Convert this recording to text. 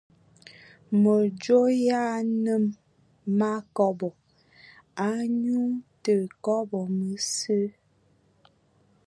Mədzo ya nnəm wa kɔbɔ, anyu tə kɔbɔ məsə.